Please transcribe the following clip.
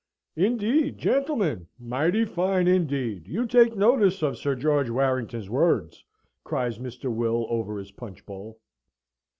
"Indeed, gentlemen! Mighty fine, indeed! You take notice of Sir George Warrington's words!" cries Mr. Will over his punch bowl.